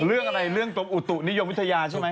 เรื่องอะไรเรื่องกรมอุตุนิยมวิทยาใช่ไหม